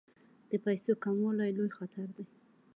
د پیسو کموالی لوی خطر دی.